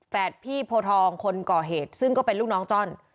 พี่โพทองคนก่อเหตุซึ่งก็เป็นลูกน้องจ้อน